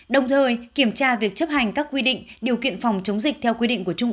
đồng thời kiểm tra việc chấp hành các quy định điều kiện phòng chống dịch theo quy định của trung ương